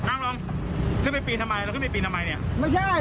นั่งลงขึ้นไปปีนทำไมเราขึ้นไปปีนทำไมเนี่ย